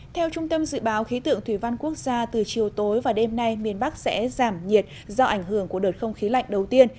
theo trung tâm dự báo khí tượng thủy văn quốc gia từ chiều tối và đêm nay miền bắc sẽ giảm nhiệt do ảnh hưởng của đợt không khí lạnh đầu tiên